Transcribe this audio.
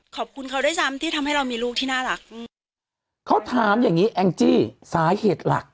ขอบคุณเขาด้วยซ้ำที่ทำให้เรามีลูกที่น่ารัก